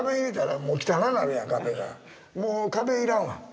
もう壁要らんわ。